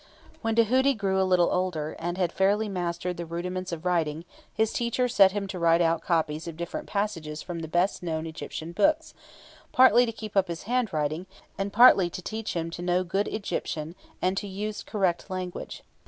When Tahuti grew a little older, and had fairly mastered the rudiments of writing, his teacher set him to write out copies of different passages from the best known Egyptian books, partly to keep up his hand writing, and partly to teach him to know good Egyptian and to use correct language.